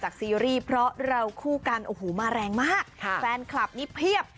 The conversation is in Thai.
ซีรีส์เพราะเราคู่กันโอ้โหมาแรงมากแฟนคลับนี่เพียบ